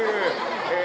え